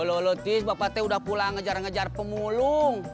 uluh tis bapak t udah pulang ngejar ngejar pemulung